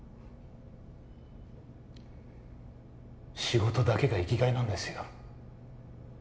仕事だけが生きがいなんですよ